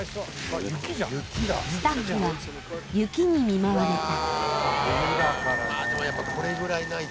スタッフは雪に見舞われた。